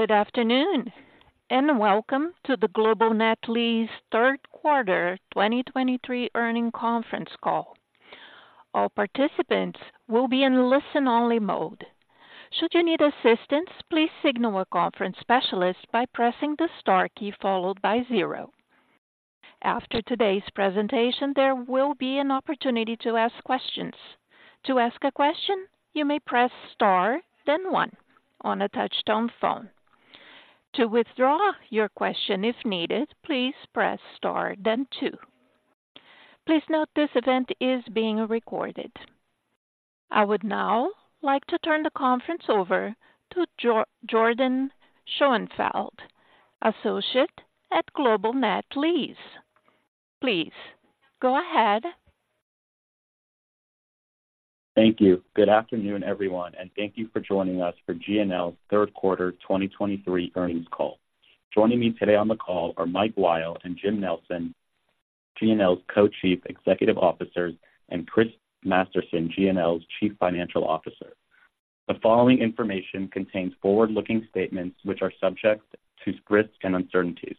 Good afternoon, and welcome to the Global Net Lease third quarter 2023 earnings conference call. All participants will be in listen-only mode. Should you need assistance, please signal a conference specialist by pressing the star key followed by zero. After today's presentation, there will be an opportunity to ask questions. To ask a question, you may press star, then one on a touchtone phone. To withdraw your question if needed, please press star, then two. Please note this event is being recorded. I would now like to turn the conference over to Jordyn Schoenfeld, Associate at Global Net Lease. Please go ahead. Thank you. Good afternoon, everyone, and thank you for joining us for GNL's third quarter 2023 earnings call. Joining me today on the call are Mike Weil and Jim Nelson, GNL's Co-Chief Executive Officers, and Chris Masterson, GNL's Chief Financial Officer. The following information contains forward-looking statements which are subject to risks and uncertainties.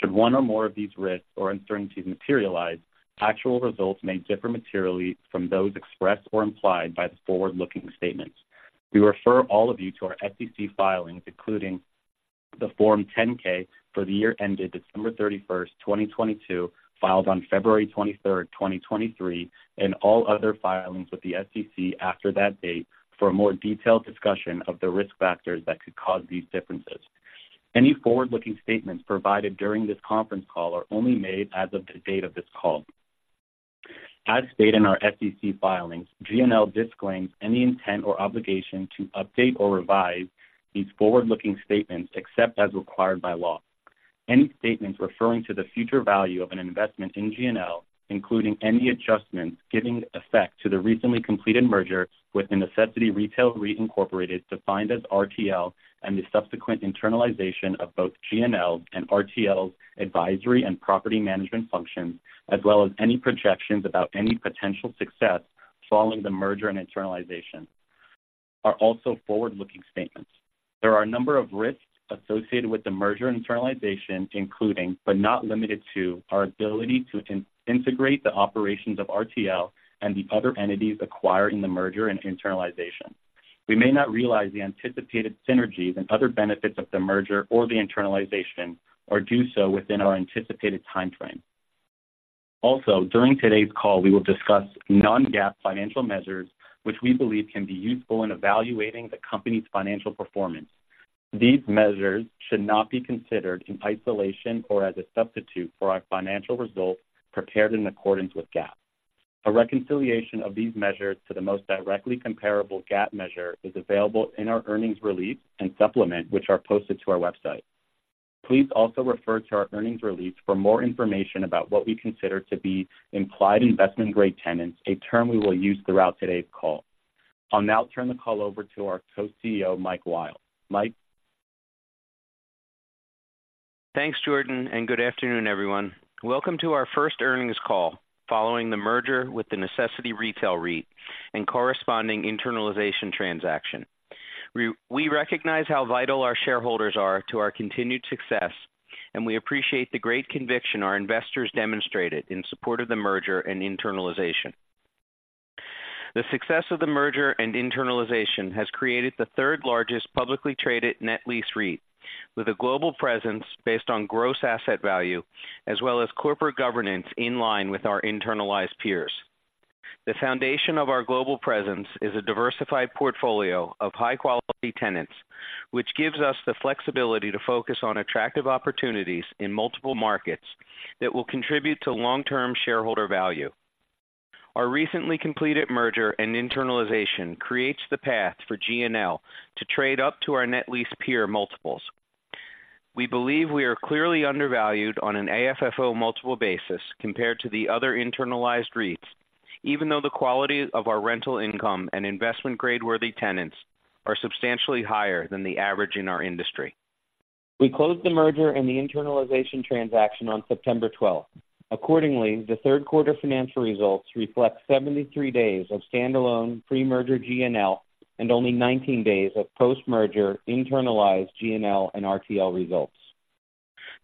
Should one or more of these risks or uncertainties materialize, actual results may differ materially from those expressed or implied by the forward-looking statements. We refer all of you to our SEC filings, including the Form 10-K for the year ended December 31, 2022, filed on February 23, 2023, and all other filings with the SEC after that date for a more detailed discussion of the risk factors that could cause these differences. Any forward-looking statements provided during this conference call are only made as of the date of this call. As stated in our SEC filings, GNL disclaims any intent or obligation to update or revise these forward-looking statements, except as required by law. Any statements referring to the future value of an investment in GNL, including any adjustments giving effect to the recently completed merger with Necessity Retail REIT Incorporated, defined as RTL, and the subsequent internalization of both GNL and RTL's advisory and property management functions, as well as any projections about any potential success following the merger and internalization, are also forward-looking statements. There are a number of risks associated with the merger and internalization, including, but not limited to, our ability to integrate the operations of RTL and the other entities acquired in the merger and internalization. We may not realize the anticipated synergies and other benefits of the merger or the internalization, or do so within our anticipated timeframe. Also, during today's call, we will discuss non-GAAP financial measures, which we believe can be useful in evaluating the company's financial performance. These measures should not be considered in isolation or as a substitute for our financial results prepared in accordance with GAAP. A reconciliation of these measures to the most directly comparable GAAP measure is available in our earnings release and supplement, which are posted to our website. Please also refer to our earnings release for more information about what we consider to be implied investment-grade tenants, a term we will use throughout today's call. I'll now turn the call over to our Co-CEO, Mike Weil. Mike? Thanks, Jordyn, and good afternoon, everyone. Welcome to our first earnings call following the merger with the Necessity Retail REIT and corresponding internalization transaction. We recognize how vital our shareholders are to our continued success, and we appreciate the great conviction our investors demonstrated in support of the merger and internalization. The success of the merger and internalization has created the third largest publicly traded net lease REIT, with a global presence based on gross asset value as well as corporate governance in line with our internalized peers. The foundation of our global presence is a diversified portfolio of high-quality tenants, which gives us the flexibility to focus on attractive opportunities in multiple markets that will contribute to long-term shareholder value. Our recently completed merger and internalization creates the path for GNL to trade up to our net lease peer multiples. We believe we are clearly undervalued on an AFFO multiple basis compared to the other internalized REITs, even though the quality of our rental income and investment grade-worthy tenants are substantially higher than the average in our industry. We closed the merger and the internalization transaction on September 12th. Accordingly, the third quarter financial results reflect 73 days of standalone pre-merger GNL and only 19 days of post-merger internalized GNL and RTL results.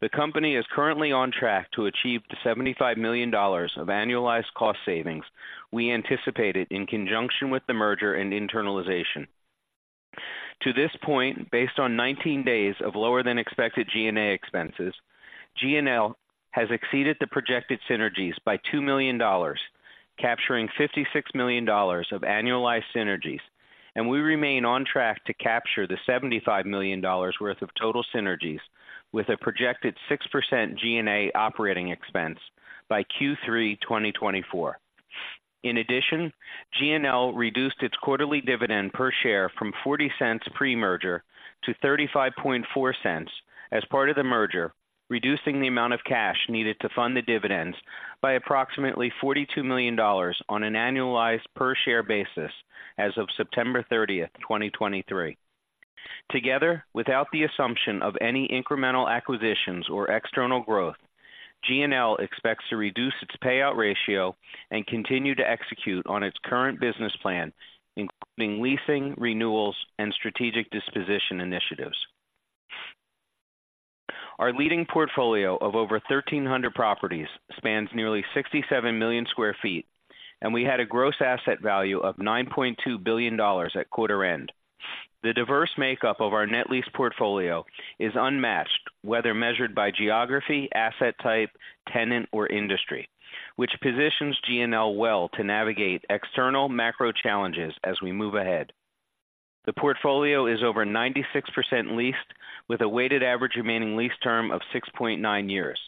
The company is currently on track to achieve the $75 million of annualized cost savings we anticipated in conjunction with the merger and internalization. To this point, based on 19 days of lower-than-expected G&A expenses, GNL has exceeded the projected synergies by $2 million, capturing $56 million of annualized synergies, and we remain on track to capture the $75 million worth of total synergies with a projected 6% G&A operating expense by Q3 2024. In addition, GNL reduced its quarterly dividend per share from $0.40 pre-merger to $0.354 as part of the merger, reducing the amount of cash needed to fund the dividends by approximately $42 million on an annualized per share basis as of September 30th 2023. Together, without the assumption of any incremental acquisitions or external growth, GNL expects to reduce its payout ratio and continue to execute on its current business plan, including leasing, renewals, and strategic disposition initiatives. Our leading portfolio of over 1,300 properties spans nearly 67 million sq ft, and we had a gross asset value of $9.2 billion at quarter end. The diverse makeup of our net lease portfolio is unmatched, whether measured by geography, asset type, tenant, or industry, which positions GNL well to navigate external macro challenges as we move ahead. The portfolio is over 96% leased, with a weighted average remaining lease term of 6.9 years.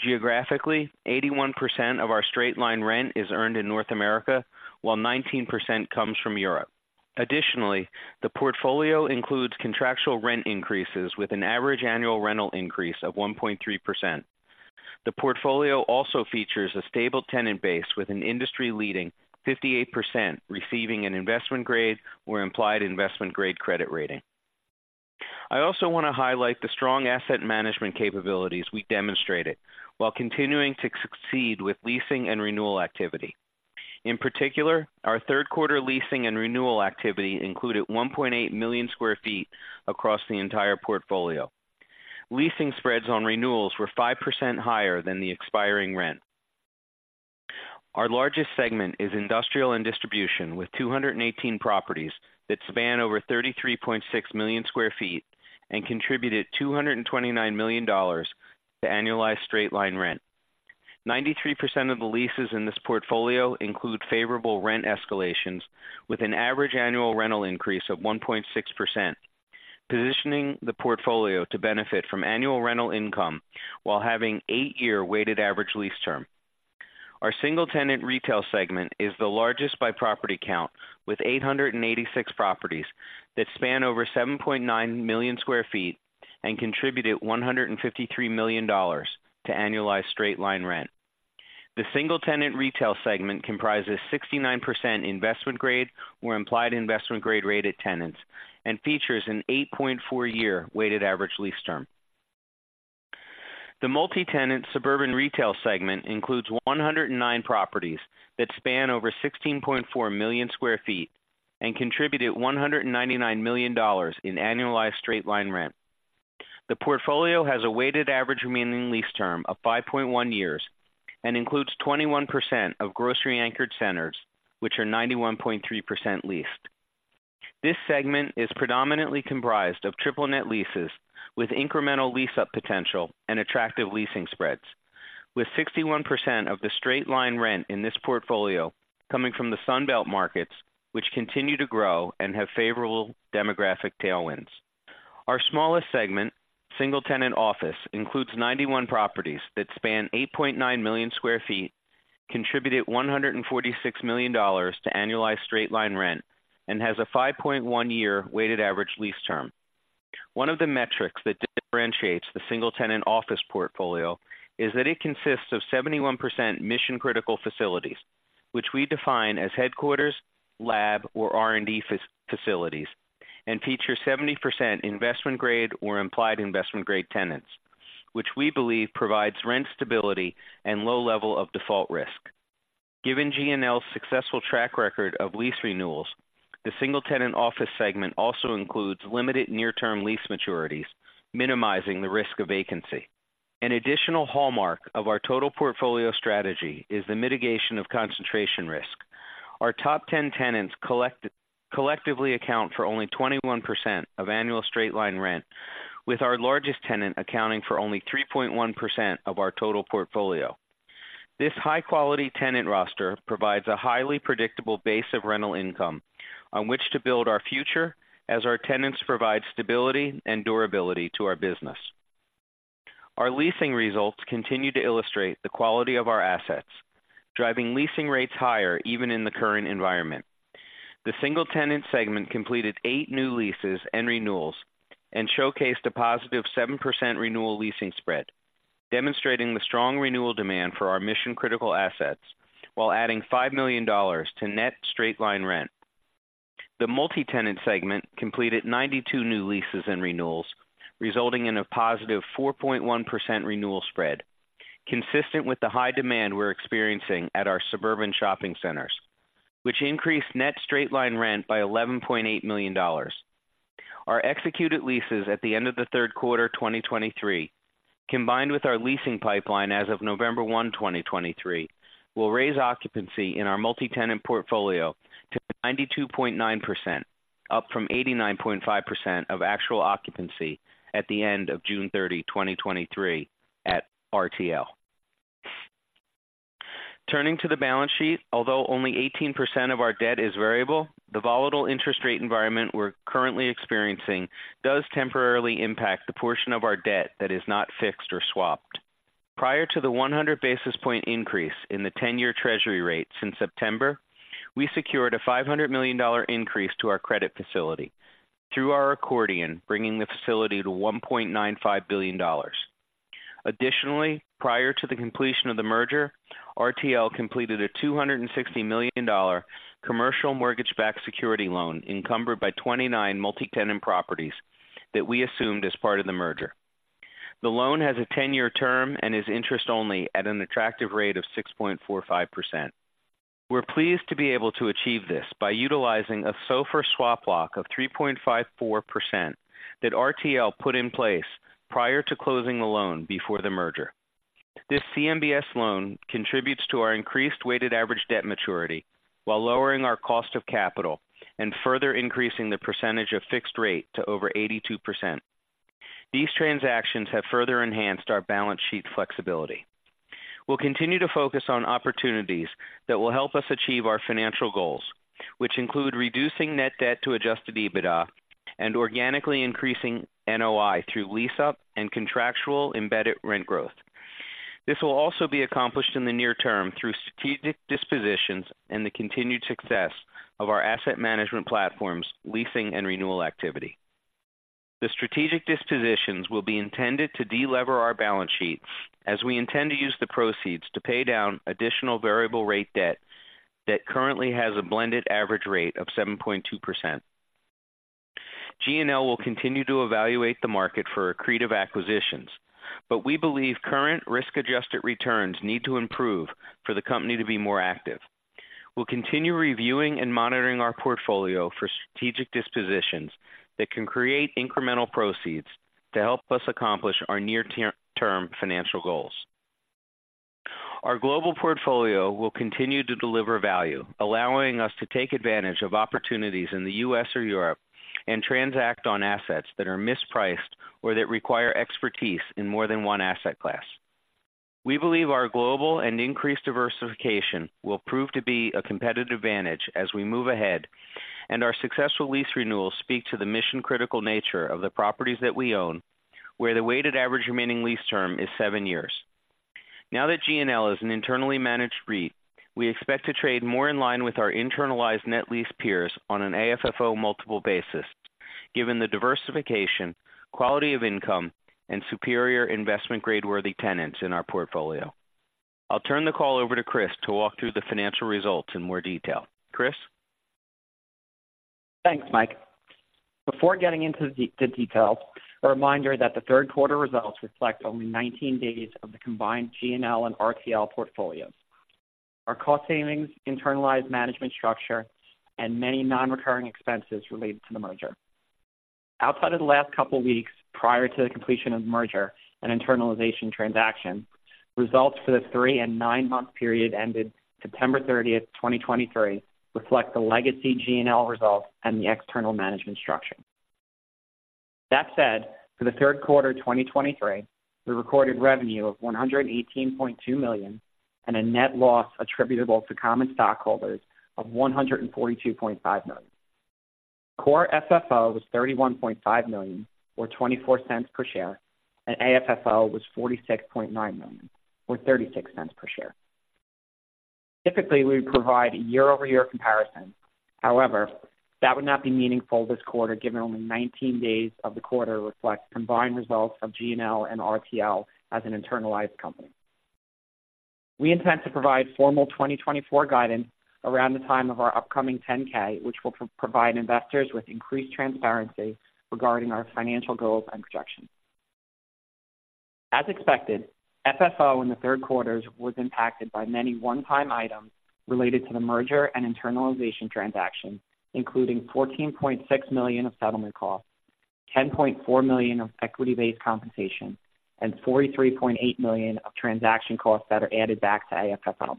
Geographically, 81% of our straight-line rent is earned in North America, while 19% comes from Europe. Additionally, the portfolio includes contractual rent increases with an average annual rental increase of 1.3%. The portfolio also features a stable tenant base with an industry-leading 58% receiving an Investment Grade or Implied Investment Grade credit rating. I also want to highlight the strong asset management capabilities we demonstrated while continuing to succeed with leasing and renewal activity. In particular, our third quarter leasing and renewal activity included 1.8 million sq ft across the entire portfolio. Leasing spreads on renewals were 5% higher than the expiring rent. Our largest segment is industrial and distribution, with 218 properties that span over 33.6 million sq ft and contributed $229 million to annualized straight-line rent. 93% of the leases in this portfolio include favorable rent escalations, with an average annual rental increase of 1.6%, positioning the portfolio to benefit from annual rental income while having eight-year weighted average lease term. Our single-tenant retail segment is the largest by property count, with 886 properties that span over 7.9 million sq ft and contributed $153 million to annualized straight-line rent. The single-tenant retail segment comprises 69% Investment Grade or Implied Investment Grade rated tenants and features an 8.4-year weighted average lease term. The multi-tenant suburban retail segment includes 109 properties that span over 16.4 million sq ft and contributed $199 million in annualized straight-line rent. The portfolio has a weighted average remaining lease term of 5.1 years and includes 21% of grocery-anchored centers, which are 91.3% leased. This segment is predominantly comprised of triple net leases with incremental lease-up potential and attractive leasing spreads, with 61% of the straight-line rent in this portfolio coming from the Sun Belt markets, which continue to grow and have favorable demographic tailwinds. Our smallest segment, single-tenant office, includes 91 properties that span 8.9 million sq ft, contributed $146 million to annualized straight-line rent, and has a 5.1-year weighted average lease term. One of the metrics that differentiates the single-tenant office portfolio is that it consists of 71% mission-critical facilities, which we define as headquarters, lab, or R&D facilities, and features 70% investment-grade or implied investment-grade tenants, which we believe provides rent stability and low level of default risk. Given GNL's successful track record of lease renewals, the single-tenant office segment also includes limited near-term lease maturities, minimizing the risk of vacancy. An additional hallmark of our total portfolio strategy is the mitigation of concentration risk. Our top 10 tenants collectively account for only 21% of annual straight-line rent, with our largest tenant accounting for only 3.1% of our total portfolio. This high-quality tenant roster provides a highly predictable base of rental income on which to build our future as our tenants provide stability and durability to our business. Our leasing results continue to illustrate the quality of our assets, driving leasing rates higher even in the current environment. The single-tenant segment completed eight new leases and renewals and showcased a positive 7% renewal leasing spread, demonstrating the strong renewal demand for our mission-critical assets while adding $5 million to net straight-line rent. The multi-tenant segment completed 92 new leases and renewals, resulting in a positive 4.1% renewal spread, consistent with the high demand we're experiencing at our suburban shopping centers, which increased net straight-line rent by $11.8 million. Our executed leases at the end of the third quarter 2023, combined with our leasing pipeline as of November 1, 2023, will raise occupancy in our multi-tenant portfolio to 92.9%, up from 89.5% of actual occupancy at the end of June 30, 2023, at RTL. Turning to the balance sheet, although only 18% of our debt is variable, the volatile interest rate environment we're currently experiencing does temporarily impact the portion of our debt that is not fixed or swapped. Prior to the 100 basis point increase in the 10-year Treasury rate since September, we secured a $500 million increase to our credit facility through our accordion, bringing the facility to $1.95 billion. Additionally, prior to the completion of the merger, RTL completed a $260 million commercial mortgage-backed security loan encumbered by 29 multi-tenant properties that we assumed as part of the merger. The loan has a 10-year term and is interest-only at an attractive rate of 6.45%. We're pleased to be able to achieve this by utilizing a SOFR swap lock of 3.54% that RTL put in place prior to closing the loan before the merger. This CMBS loan contributes to our increased weighted average debt maturity, while lowering our cost of capital and further increasing the percentage of fixed rate to over 82%. These transactions have further enhanced our balance sheet flexibility. We'll continue to focus on opportunities that will help us achieve our financial goals, which include reducing net debt to adjusted EBITDA and organically increasing NOI through lease-up and contractual embedded rent growth. This will also be accomplished in the near term through strategic dispositions and the continued success of our asset management platforms, leasing and renewal activity. The strategic dispositions will be intended to delever our balance sheet as we intend to use the proceeds to pay down additional variable rate debt that currently has a blended average rate of 7.2%. GNL will continue to evaluate the market for accretive acquisitions, but we believe current risk-adjusted returns need to improve for the company to be more active. We'll continue reviewing and monitoring our portfolio for strategic dispositions that can create incremental proceeds to help us accomplish our near-term financial goals. Our global portfolio will continue to deliver value, allowing us to take advantage of opportunities in the U.S. or Europe and transact on assets that are mispriced or that require expertise in more than one asset class. We believe our global and increased diversification will prove to be a competitive advantage as we move ahead, and our successful lease renewals speak to the mission-critical nature of the properties that we own, where the weighted average remaining lease term is seven years. Now that GNL is an internally managed REIT, we expect to trade more in line with our internalized net lease peers on an AFFO multiple basis, given the diversification, quality of income, and superior investment grade-worthy tenants in our portfolio. I'll turn the call over to Chris to walk through the financial results in more detail. Chris? Thanks, Mike. Before getting into the details, a reminder that the third quarter results reflect only 19 days of the combined GNL and RTL portfolios. Our cost savings, internalized management structure, and many non-recurring expenses related to the merger. Outside of the last couple weeks prior to the completion of the merger and internalization transaction, results for the three- and nine-month period ended September 30th, 2023, reflect the legacy GNL results and the external management structure. That said, for the third quarter 2023, we recorded revenue of $118.2 million and a net loss attributable to common stockholders of $142.5 million. Core FFO was $31.5 million, or $0.24 per share, and AFFO was $46.9 million, or $0.36 per share. Typically, we provide a year-over-year comparison. However, that would not be meaningful this quarter, given only 19 days of the quarter reflect combined results of GNL and RTL as an internalized company. We intend to provide formal 2024 guidance around the time of our upcoming 10-K, which will provide investors with increased transparency regarding our financial goals and projections. As expected, FFO in the third quarter was impacted by many one-time items related to the merger and internalization transaction, including $14.6 million of settlement costs, $10.4 million of equity-based compensation, and $43.8 million of transaction costs that are added back to AFFO.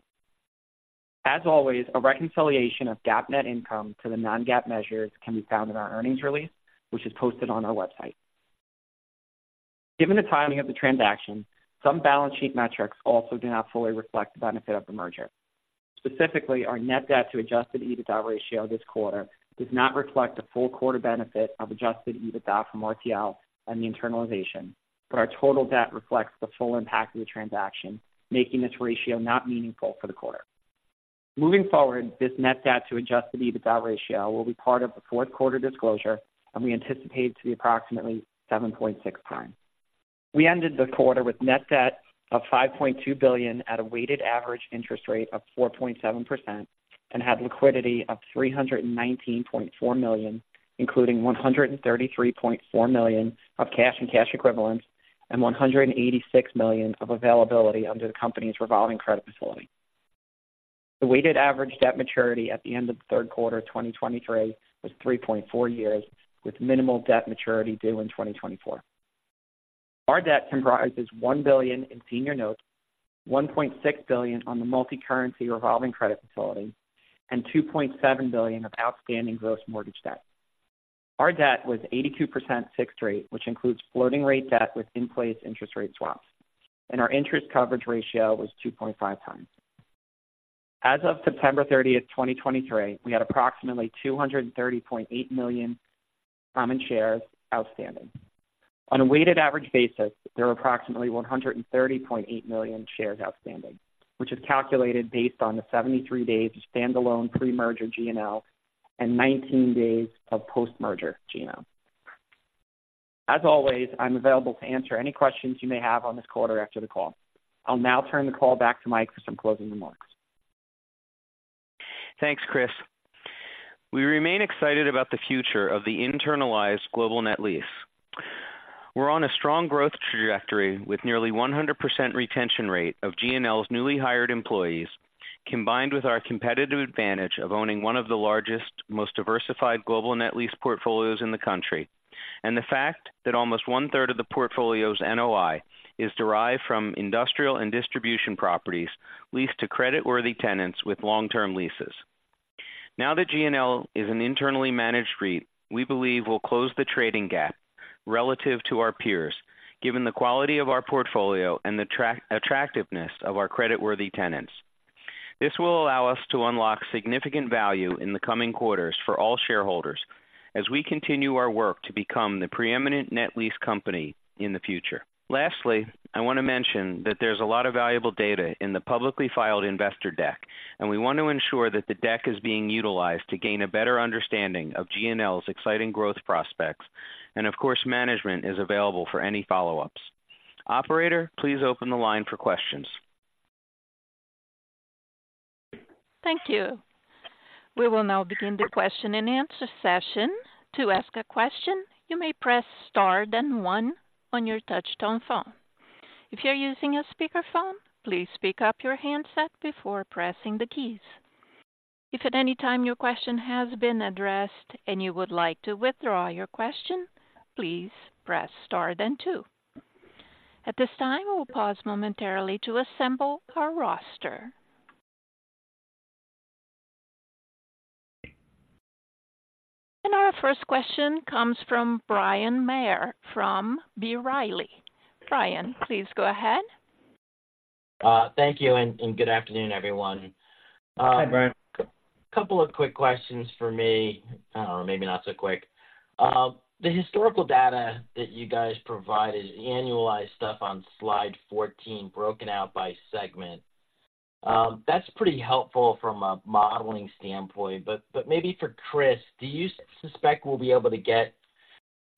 As always, a reconciliation of GAAP net income to the non-GAAP measures can be found in our earnings release, which is posted on our website. Given the timing of the transaction, some balance sheet metrics also do not fully reflect the benefit of the merger. Specifically, our net debt to adjusted EBITDA ratio this quarter does not reflect the full quarter benefit of adjusted EBITDA from RTL and the internalization, but our total debt reflects the full impact of the transaction, making this ratio not meaningful for the quarter. Moving forward, this net debt to adjusted EBITDA ratio will be part of the fourth quarter disclosure, and we anticipate it to be approximately 7.6x. We ended the quarter with net debt of $5.2 billion at a weighted average interest rate of 4.7% and had liquidity of $319.4 million, including $133.4 million of cash and cash equivalents and $186 million of availability under the company's revolving credit facility. The weighted average debt maturity at the end of the third quarter 2023 was 3.4 years, with minimal debt maturity due in 2024. Our debt comprises $1 billion in senior notes, $1.6 billion on the multicurrency revolving credit facility, and $2.7 billion of outstanding gross mortgage debt. Our debt was 82% fixed rate, which includes floating rate debt with in-place interest rate swaps, and our interest coverage ratio was 2.5x. As of September 30, 2023, we had approximately 230.8 million common shares outstanding. On a weighted average basis, there are approximately 130.8 million shares outstanding, which is calculated based on the 73 days of standalone pre-merger GNL and 19 days of post-merger GNL. As always, I'm available to answer any questions you may have on this call or after the call. I'll now turn the call back to Mike for some closing remarks. Thanks, Chris. We remain excited about the future of the internalized Global Net Lease. We're on a strong growth trajectory, with nearly 100% retention rate of GNL's newly hired employees, combined with our competitive advantage of owning one of the largest, most diversified global net lease portfolios in the country, and the fact that almost one-third of the portfolio's NOI is derived from industrial and distribution properties leased to credit-worthy tenants with long-term leases. Now that GNL is an internally managed REIT, we believe we'll close the trading gap relative to our peers, given the quality of our portfolio and the attractiveness of our creditworthy tenants. This will allow us to unlock significant value in the coming quarters for all shareholders, as we continue our work to become the preeminent net lease company in the future. Lastly, I want to mention that there's a lot of valuable data in the publicly filed investor deck, and we want to ensure that the deck is being utilized to gain a better understanding of GNL's exciting growth prospects. Of course, management is available for any follow-ups. Operator, please open the line for questions. Thank you. We will now begin the question-and-answer session. To ask a question, you may press star one on your touchtone phone. If you're using a speakerphone, please pick up your handset before pressing the keys. If at any time your question has been addressed and you would like to withdraw your question, please press star then two. At this time, we'll pause momentarily to assemble our roster. Our first question comes from Bryan Maher from B. Riley. Bryan, please go ahead. Thank you, and good afternoon, everyone. Hi, Brian. A couple of quick questions for me. I don't know, maybe not so quick. The historical data that you guys provided, the annualized stuff on slide 14, broken out by segment. That's pretty helpful from a modeling standpoint, but, but maybe for Chris, do you suspect we'll be able to get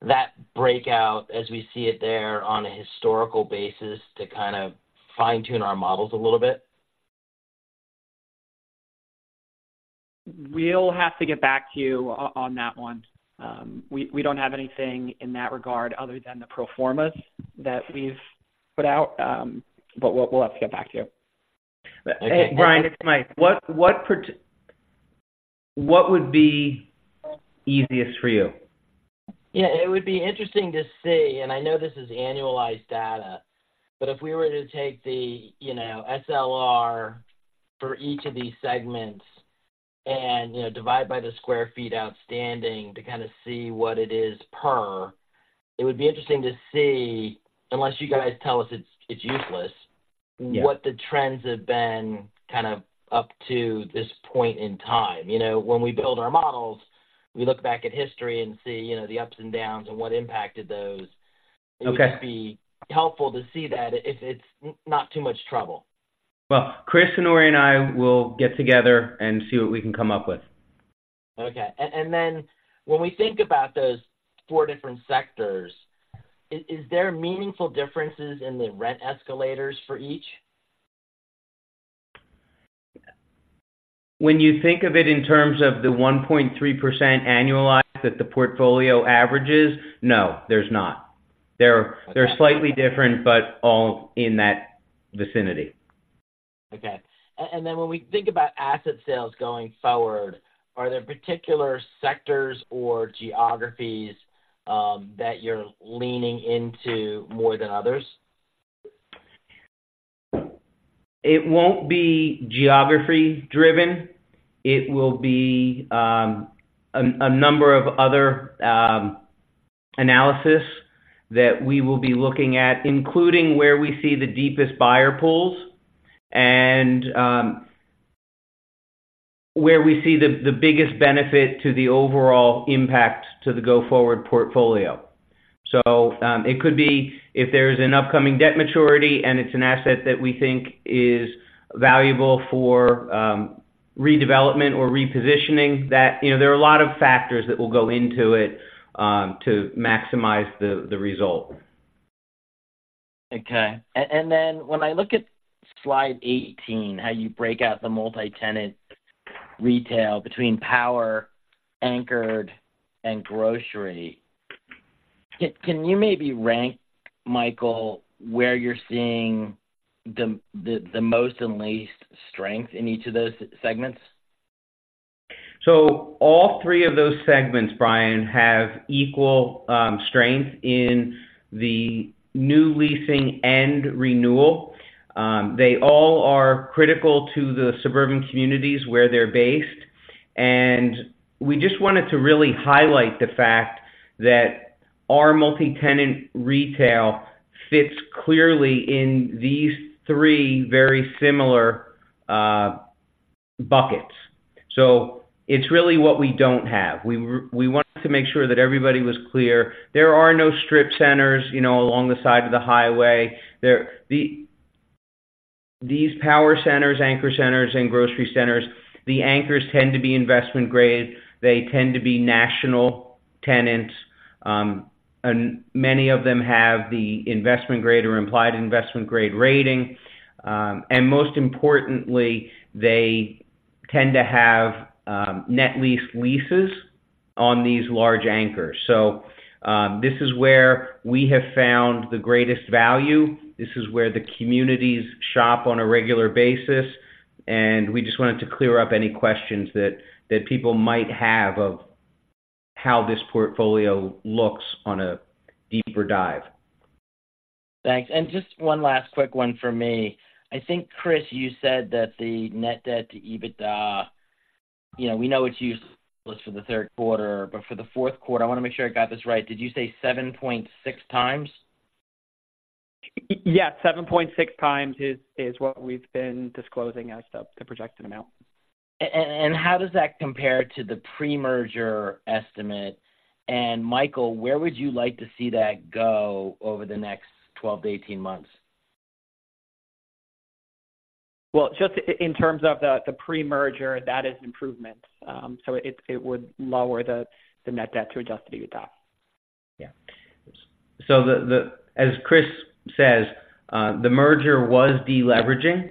that breakout as we see it there on a historical basis to kind of fine-tune our models a little bit? We'll have to get back to you on that one. We don't have anything in that regard other than the pro formas that we've put out, but we'll have to get back to you. Bryan, it's Mike. What would be easiest for you? Yeah, it would be interesting to see, and I know this is annualized data, but if we were to take the, you know, SLR for each of these segments and, you know, divide by the sq ft outstanding to kind of see what it is per, it would be interesting to see, unless you guys tell us it's, it's useless- Yeah. What the trends have been kind of up to this point in time. You know, when we build our models, we look back at history and see, you know, the ups and downs and what impacted those. Okay. It would just be helpful to see that if it's not too much trouble. Well, Chris and Ori, and I will get together and see what we can come up with. Okay. And then when we think about those four different sectors, is there meaningful differences in the rent escalators for each? When you think of it in terms of the 1.3% annualized that the portfolio averages? No, there's not. They're, they're slightly different, but all in that vicinity. Okay. And then when we think about asset sales going forward, are there particular sectors or geographies that you're leaning into more than others? It won't be geography-driven. It will be a number of other analysis that we will be looking at, including where we see the deepest buyer pools and where we see the biggest benefit to the overall impact to the go-forward portfolio. So, it could be if there's an upcoming debt maturity and it's an asset that we think is valuable for redevelopment or repositioning, that you know, there are a lot of factors that will go into it to maximize the result. Okay. And then when I look at slide 18, how you break out the multi-tenant retail between power, anchored, and grocery, can you maybe rank, Michael, where you're seeing the most and least strength in each of those segments? So all three of those segments, Bryan, have equal strength in the new leasing and renewal. They all are critical to the suburban communities where they're based. And we just wanted to really highlight the fact that our multi-tenant retail fits clearly in these three very similar buckets. So it's really what we don't have. We wanted to make sure that everybody was clear. There are no strip centers, you know, along the side of the highway. These power centers, anchor centers, and grocery centers, the anchors tend to be Investment Grade. They tend to be national tenants, and many of them have the Investment Grade or Implied Investment Grade rating. And most importantly, they tend to have Net Lease leases on these large anchors. So, this is where we have found the greatest value. This is where the communities shop on a regular basis, and we just wanted to clear up any questions that people might have of how this portfolio looks on a deeper dive. Thanks. And just one last quick one for me. I think, Chris, you said that the net debt to EBITDA, you know, we know it's useless for the third quarter, but for the fourth quarter, I want to make sure I got this right. Did you say 7.6x? Yeah, 7.6x is what we've been disclosing as the projected amount. How does that compare to the pre-merger estimate? Michael, where would you like to see that go over the next 12-18 months? Well, just in terms of the pre-merger, that is improvement. So it would lower the net debt to adjusted EBITDA. Yeah. So as Chris says, the merger was deleveraging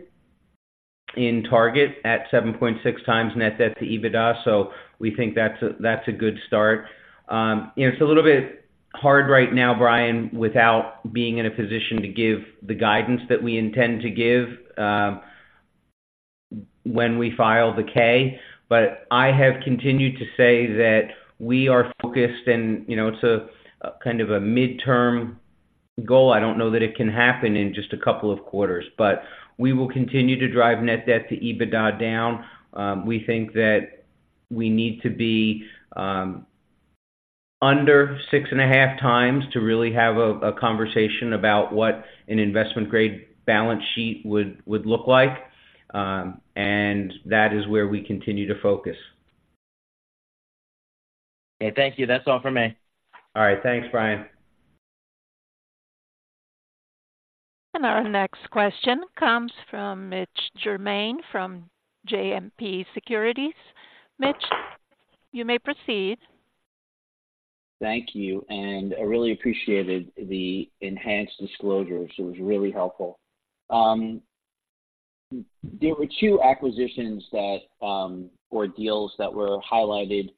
in target at 7.6x net debt to EBITDA, so we think that's a good start. You know, it's a little bit hard right now, Bryan, without being in a position to give the guidance that we intend to give when we file the K. But I have continued to say that we are focused, and you know, it's a kind of a midterm goal. I don't know that it can happen in just a couple of quarters, but we will continue to drive net debt to EBITDA down. We think that we need to be under 6.5x to really have a conversation about what an investment-grade balance sheet would look like. And that is where we continue to focus. Okay, thank you. That's all for me. All right. Thanks, Bryan. Our next question comes from Mitch Germain from JMP Securities. Mitch, you may proceed. Thank you, and I really appreciated the enhanced disclosures. It was really helpful. There were two acquisitions that, or deals that were highlighted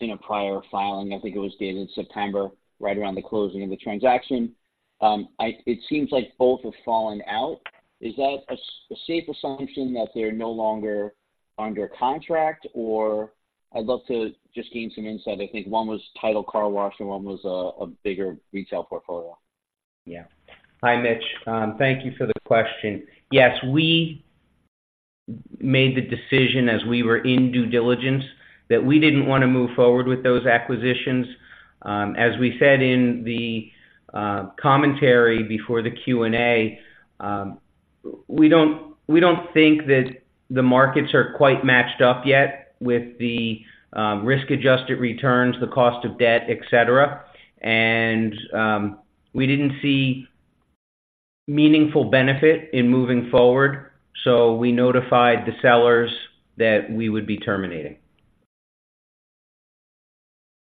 in a prior filing. I think it was dated September, right around the closing of the transaction. It seems like both have fallen out. Is that a safe assumption that they're no longer under contract? Or I'd love to just gain some insight. I think one was Tidal car wash, and one was a bigger retail portfolio. Yeah. Hi, Mitch. Thank you for the question. Yes, we made the decision as we were in due diligence, that we didn't want to move forward with those acquisitions. As we said in the commentary before the Q&A, we don't, we don't think that the markets are quite matched up yet with the risk-adjusted returns, the cost of debt, et cetera. And we didn't see meaningful benefit in moving forward, so we notified the sellers that we would be terminating.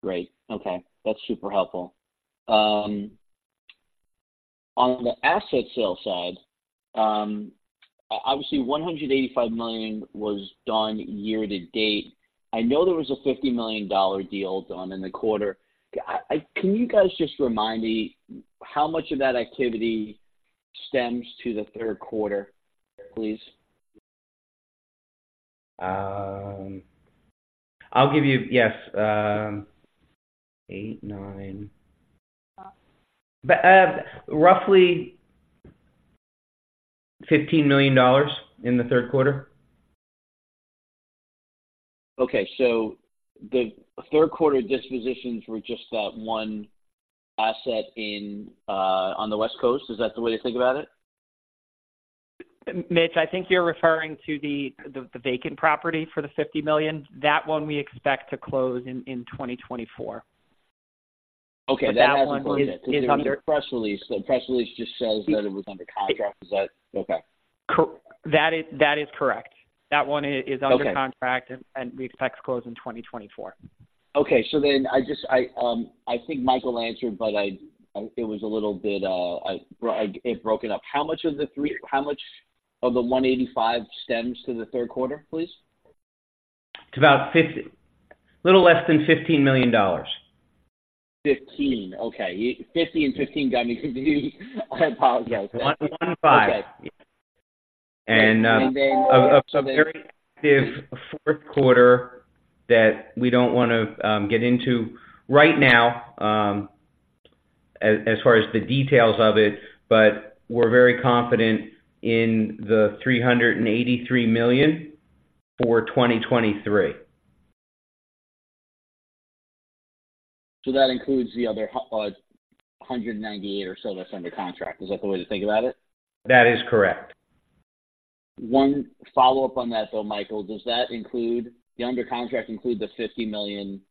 Great. Okay, that's super helpful. On the asset sale side, obviously $185 million was done year to date. I know there was a $50 million deal done in the quarter. Can you guys just remind me, how much of that activity stems to the third quarter, please? I'll give you... Yes, 89. Roughly $15 million in the third quarter. Okay. So the third quarter dispositions were just that one asset in on the West Coast. Is that the way to think about it? Mitch, I think you're referring to the vacant property for the $50 million. That one we expect to close in 2024. Okay, that- That one is under- The press release, the press release just says that it was under contract. Is that okay. That is, that is correct. That one is- Okay... under contract, and we expect to close in 2024. Okay. So then I just think Michael answered, but it was a little bit broken up. How much of the $185 stems to the third quarter, please? It's about a little less than $15 million. 15. Okay. 50 and 15 got me completely, I apologize. One five. Okay. And, um- And then- Of a very active fourth quarter that we don't want to get into right now, as far as the details of it, but we're very confident in the $383 million for 2023. That includes the other 198 or so that's under contract. Is that the way to think about it? That is correct. ...One follow-up on that, though, Michael. Does that include, the under contract include the $50 million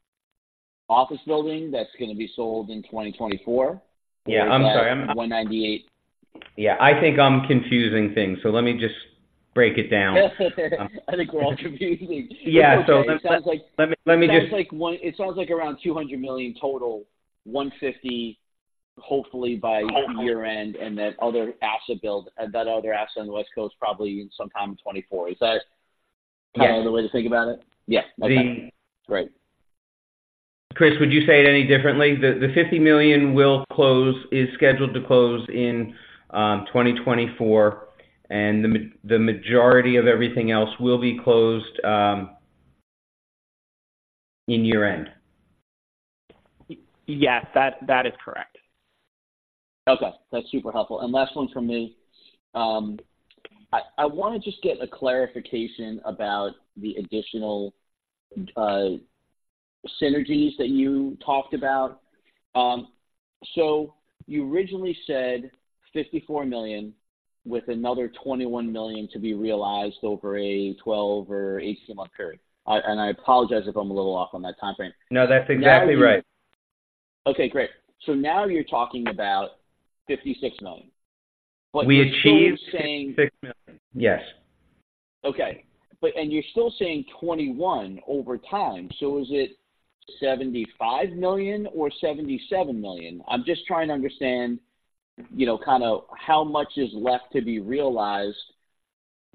office building that's going to be sold in 2024? Yeah, I'm sorry. 198. Yeah, I think I'm confusing things, so let me just break it down. I think we're all confused. Yeah, so- Sounds like- Let me just- It sounds like around $200 million total, $150, hopefully by year-end, and then other asset build, that other asset on the West Coast, probably sometime in 2024. Is that- Yes. kind of the way to think about it? Yeah. The- Right. Chris, would you say it any differently? The $50 million will close, is scheduled to close in 2024, and the majority of everything else will be closed in year-end. Yes, that, that is correct. Okay, that's super helpful. Last one from me. I want to just get a clarification about the additional synergies that you talked about. So you originally said $54 million, with another $21 million to be realized over a 12- or 18-month period. And I apologize if I'm a little off on that timeframe. No, that's exactly right. Okay, great. So now you're talking about $56 million. We achieved- But you're saying- $56 million. Yes. Okay, but and you're still saying 21 over time, so is it $75 million or $77 million? I'm just trying to understand, you know, kind of how much is left to be realized.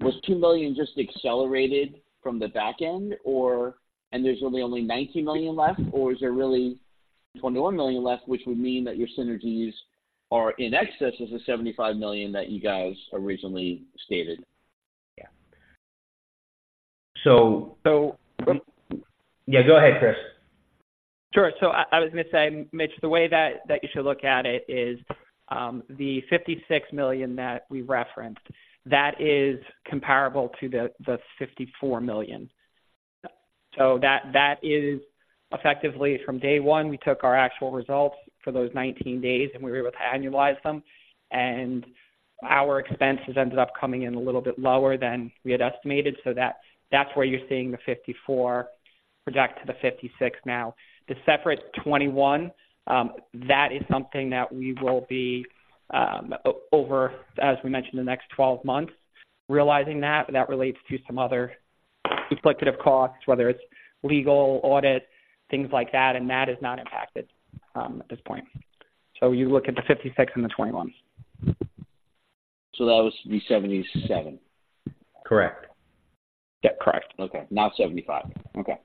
Was $2 million just accelerated from the back end or... And there's really only $19 million left, or is there really $21 million left, which would mean that your synergies are in excess of the $75 million that you guys originally stated? Yeah. So- So- Yeah, go ahead, Chris. Sure. So I was going to say, Mitch, the way that you should look at it is, the $56 million that we referenced, that is comparable to the $54 million. So that is effectively from day one, we took our actual results for those 19 days, and we were able to annualize them, and our expenses ended up coming in a little bit lower than we had estimated. So that's where you're seeing the $54 million project to the $56 million now. The separate $21 million, that is something that we will be, over, as we mentioned, the next 12 months, realizing that. That relates to some other duplicative costs, whether it's legal, audit, things like that, and that is not impacted, at this point. So you look at the $56 million and the $21 million. So that would be 77? Correct. Yeah, correct. Okay, now 75. Okay,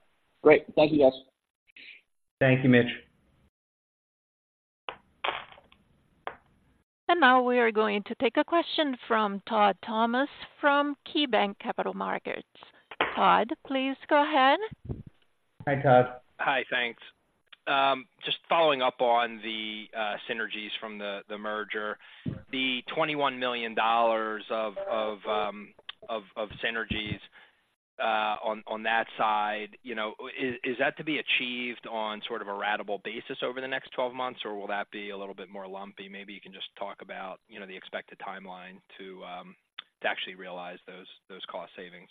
great. Thank you, guys. Thank you, Mitch. Now we are going to take a question from Todd Thomas from KeyBanc Capital Markets. Todd, please go ahead. Hi, Todd. Hi, thanks. Just following up on the synergies from the merger. The $21 million of synergies on that side, you know, is that to be achieved on sort of a ratable basis over the next 12 months, or will that be a little bit more lumpy? Maybe you can just talk about, you know, the expected timeline to actually realize those cost savings.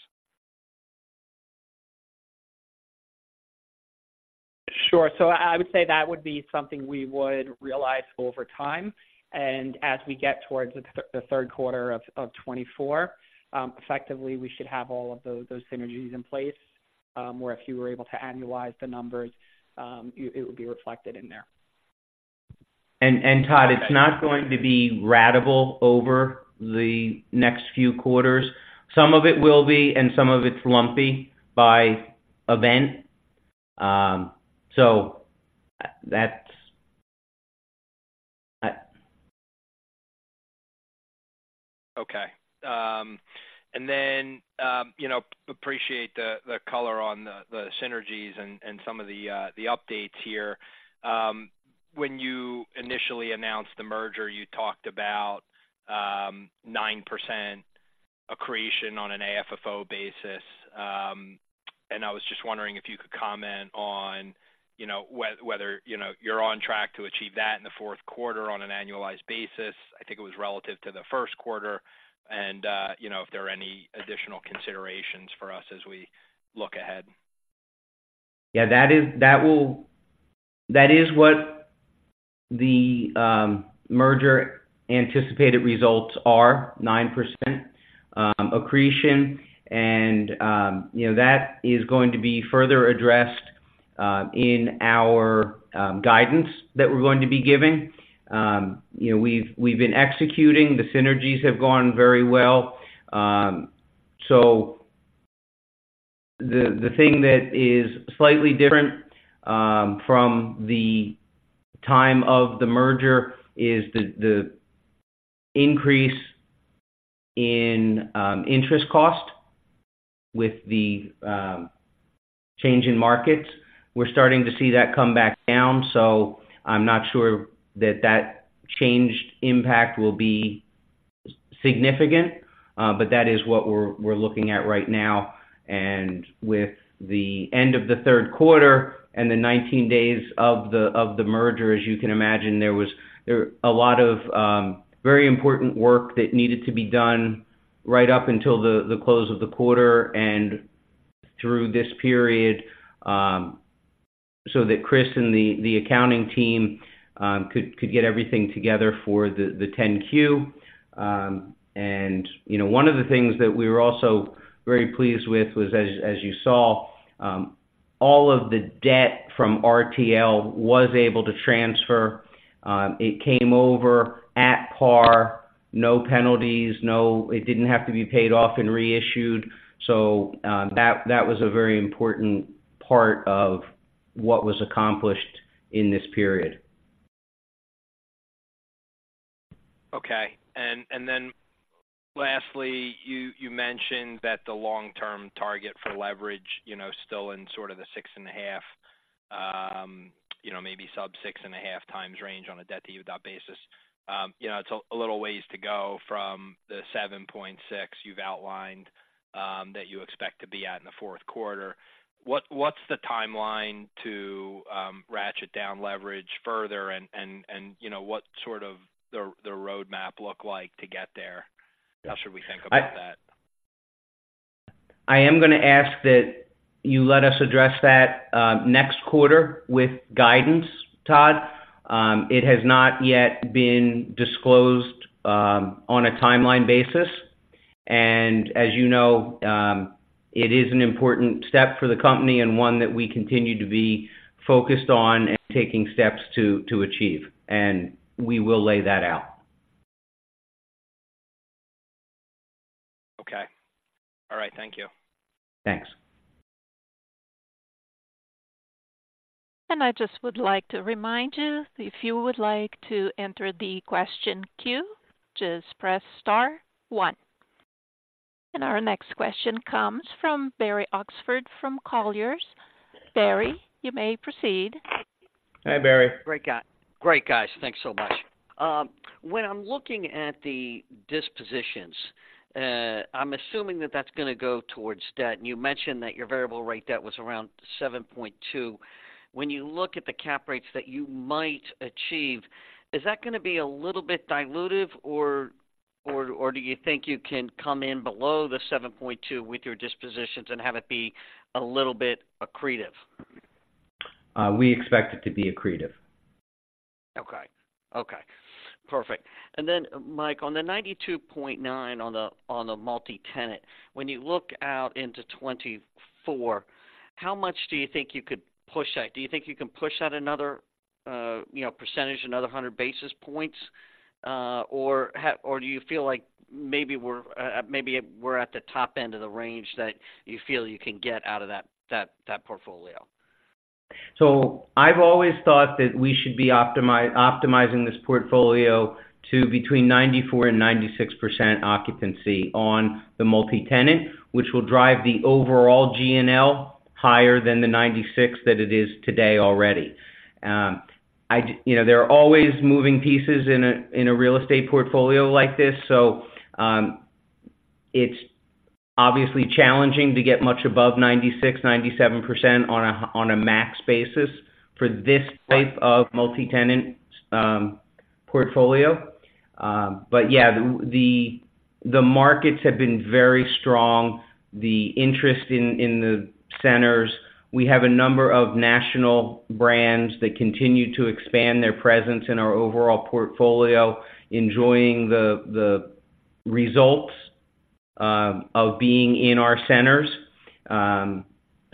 Sure. So I would say that would be something we would realize over time. And as we get towards the third quarter of 2024, effectively, we should have all of those synergies in place, where if you were able to annualize the numbers, it would be reflected in there. And Todd, it's not going to be ratable over the next few quarters. Some of it will be, and some of it's lumpy by event. So that's... Okay. And then, you know, appreciate the color on the synergies and some of the updates here. When you initially announced the merger, you talked about 9% accretion on an AFFO basis. And I was just wondering if you could comment on, you know, whether, you know, you're on track to achieve that in the fourth quarter on an annualized basis. I think it was relative to the first quarter, and, you know, if there are any additional considerations for us as we look ahead. Yeah, that is what the merger anticipated results are, 9% accretion. And, you know, that is going to be further addressed in our guidance that we're going to be giving. You know, we've been executing. The synergies have gone very well. So the thing that is slightly different from the time of the merger is the increase in interest cost with the change in markets. We're starting to see that come back down, so I'm not sure that that changed impact will be significant, but that is what we're looking at right now. With the end of the third quarter and the 19 days of the merger, as you can imagine, there was a lot of very important work that needed to be done right up until the close of the quarter and through this period, so that Chris and the accounting team could get everything together for the 10-Q. You know, one of the things that we were also very pleased with was, as you saw, all of the debt from RTL was able to transfer. It came over at par, no penalties, no, it didn't have to be paid off and reissued. So, that was a very important part of what was accomplished in this period. Okay. And then lastly, you mentioned that the long-term target for leverage, you know, still in sort of the 6.5, you know, maybe sub-6.5x range on a debt-to-EBITDA basis. You know, it's a little ways to go from the 7.6 you've outlined that you expect to be at in the fourth quarter. What's the timeline to ratchet down leverage further? And you know, what sort of the roadmap look like to get there? How should we think about that? I am gonna ask that you let us address that next quarter with guidance, Todd. It has not yet been disclosed on a timeline basis. As you know, it is an important step for the company and one that we continue to be focused on and taking steps to achieve, and we will lay that out. Okay. All right. Thank you. Thanks. I just would like to remind you, if you would like to enter the question queue, just press star one. Our next question comes from Barry Oxford from Colliers. Barry, you may proceed. Hi, Barry. Great guy. Great, guys. Thanks so much. When I'm looking at the dispositions, I'm assuming that that's gonna go towards debt. And you mentioned that your variable rate debt was around 7.2%. When you look at the cap rates that you might achieve, is that gonna be a little bit dilutive, or, or, or do you think you can come in below the 7.2% with your dispositions and have it be a little bit accretive? We expect it to be accretive. Okay. Okay, perfect. And then, Mike, on the 92.9 on the, on the multi-tenant, when you look out into 2024, how much do you think you could push that? Do you think you can push that another, you know, percentage, another 100 basis points, or do you feel like maybe we're, maybe we're at the top end of the range that you feel you can get out of that, that, that portfolio? So I've always thought that we should be optimizing this portfolio to between 94% and 96% occupancy on the multi-tenant, which will drive the overall GNL higher than the 96% that it is today already. I, you know, there are always moving pieces in a, in a real estate portfolio like this, so, it's obviously challenging to get much above 96%-97% on a, on a max basis for this type of multi-tenant, portfolio. But yeah, the, the markets have been very strong. The interest in, in the centers. We have a number of national brands that continue to expand their presence in our overall portfolio, enjoying the, the results, of being in our centers.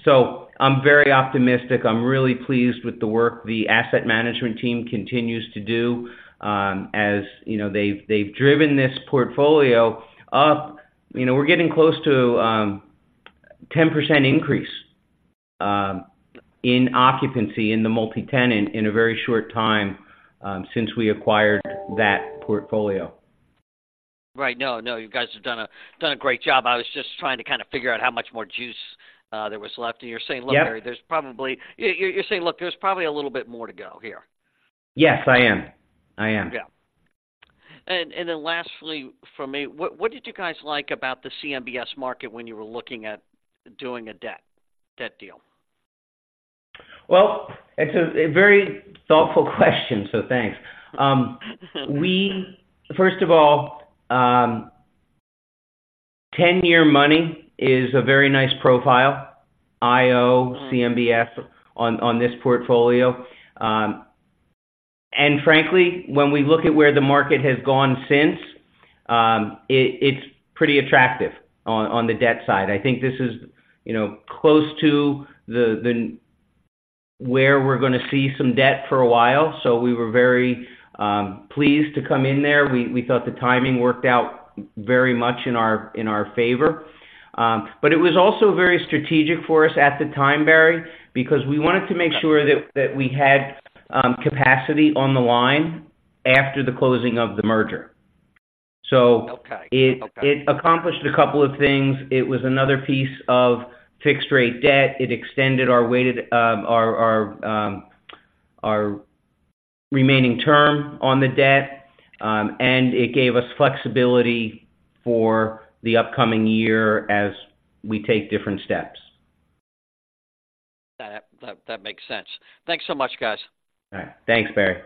So I'm very optimistic. I'm really pleased with the work the asset management team continues to do, as you know, they've driven this portfolio up. You know, we're getting close to 10% increase in occupancy in the multi-tenant in a very short time since we acquired that portfolio. Right. No, no, you guys have done a great job. I was just trying to kind of figure out how much more juice there was left. And you're saying- Yep... look, Barry, there's probably... You, you're saying, look, there's probably a little bit more to go here. Yes, I am. I am. Yeah. And then lastly, for me, what did you guys like about the CMBS market when you were looking at doing a debt deal? Well, it's a very thoughtful question, so thanks. First of all, 10-year money is a very nice profile, IO, CMBS, on this portfolio. And frankly, when we look at where the market has gone since it, it's pretty attractive on the debt side. I think this is, you know, close to the where we're gonna see some debt for a while, so we were very pleased to come in there. We thought the timing worked out very much in our favor. But it was also very strategic for us at the time, Barry, because we wanted to make sure that we had capacity on the line after the closing of the merger. So- Okay. It accomplished a couple of things. It was another piece of fixed-rate debt. It extended our weighted average remaining term on the debt, and it gave us flexibility for the upcoming year as we take different steps. That makes sense. Thanks so much, guys. All right. Thanks, Barry.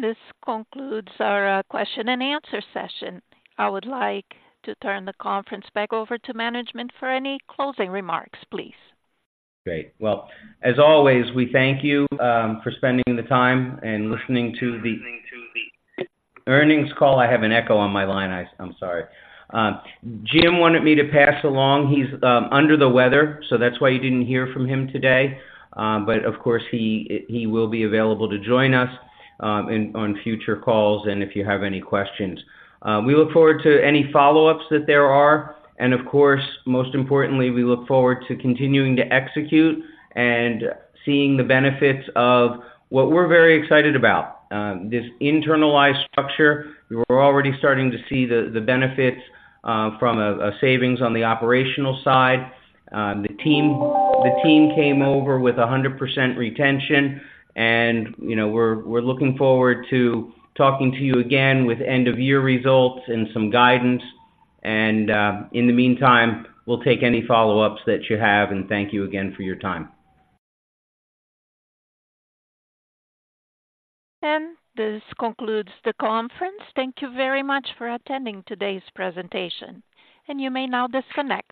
This concludes our question and answer session. I would like to turn the conference back over to management for any closing remarks, please. Great. Well, as always, we thank you for spending the time and listening to the earnings call. I have an echo on my line. I'm sorry. Jim wanted me to pass along, he's under the weather, so that's why you didn't hear from him today. But of course, he will be available to join us on future calls and if you have any questions. We look forward to any follow-ups that there are. And of course, most importantly, we look forward to continuing to execute and seeing the benefits of what we're very excited about this internalized structure. We're already starting to see the benefits from a savings on the operational side. The team, the team came over with 100% retention and, you know, we're, we're looking forward to talking to you again with end-of-year results and some guidance. In the meantime, we'll take any follow-ups that you have, and thank you again for your time. This concludes the conference. Thank you very much for attending today's presentation, and you may now disconnect.